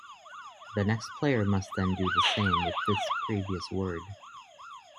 The next player must then do the same with this previous word.